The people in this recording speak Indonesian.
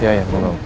makasih ya bapak